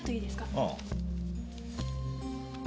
ああ。